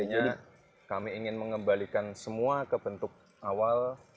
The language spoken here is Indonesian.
jadi kami ingin mengembalikan semua ke bentuk awal